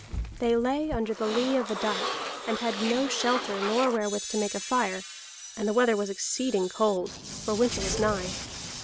They lay under the lee of a dyke, and had no shelter nor wherewith to make fire, and the weather was exceeding cold, for winter was nigh.